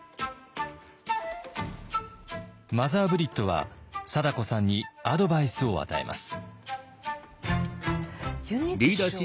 マザー・ブリットは貞子さんにアドバイスを与えます。